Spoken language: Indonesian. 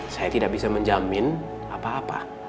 saya tidak bisa menjamin apa apa